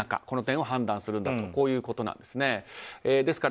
この点を判断するんだということなんですね。